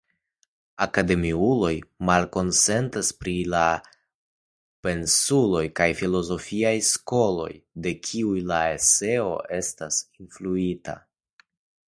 Akademiuloj malkonsentas pri la pensuloj kaj filozofiaj skoloj de kiuj la eseo estas influita.